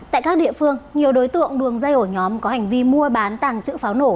tại các địa phương nhiều đối tượng đường dây ổ nhóm có hành vi mua bán tàng trữ pháo nổ